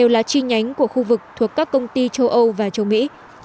là một khu vực thuộc các công ty châu âu và châu mỹ